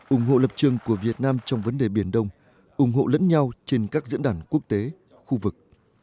ủng hộ lập trường của việt nam trong vấn đề biển đông ủng hộ lẫn nhau trên các diễn đàn quốc tế khu vực